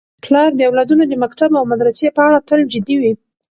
پلار د اولادونو د مکتب او مدرسې په اړه تل جدي وي.